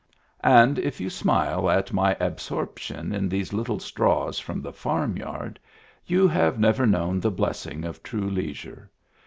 And if you smile at my absorption in these little straws from the farmyard you have never known the blessing of true leisure.